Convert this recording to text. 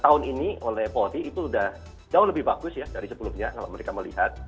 tahun ini oleh polri itu sudah jauh lebih bagus ya dari sebelumnya kalau mereka melihat